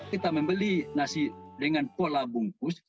kita membeli nasi dengan pola bungkus